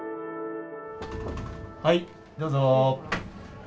はい、どうぞ。